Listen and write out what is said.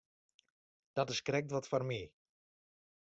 Dat is krekt wat foar my.